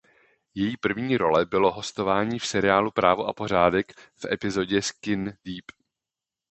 Její první role bylo hostování v seriálu "Právo a pořádek" v epizodě „Skin Deep“.